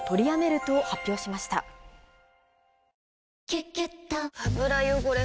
「キュキュット」油汚れ